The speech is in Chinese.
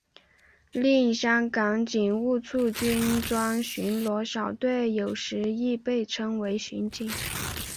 另香港警务处军装巡逻小队有时亦被称为巡警。